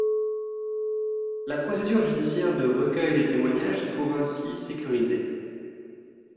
La procédure judiciaire de recueil des témoignages se trouve ainsi sécurisée.